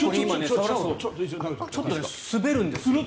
ちょっと滑るんですよ。